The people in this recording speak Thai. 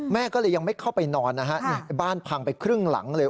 แม่ก็เลยยังไม่เข้าไปนอนนะฮะบ้านพังไปครึ่งหลังเลย